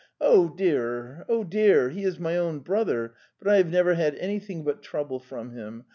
Oh dear, oh dear! He is my own brother, but I have never had anything but trouble from him.